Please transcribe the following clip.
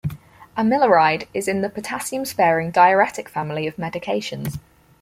Amiloride is in the potassium-sparing diuretic family of medications.